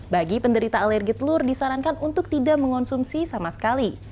bagi penderita alergi telur disarankan untuk tidak mengonsumsi sama sekali